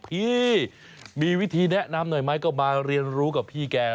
พี่มีวิธีแนะนำหน่อยไหมก็มาเรียนรู้กับพี่แก